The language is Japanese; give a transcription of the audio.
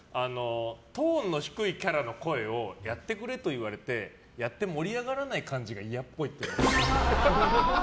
トーンの低いキャラの声をやってくれと言われてやって盛り上がらない感じが嫌っぽい。